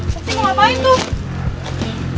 sakti mau ngapain tuh